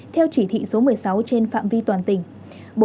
theo chỉ thị số một mươi sáu trên phạm vi toàn tỉnh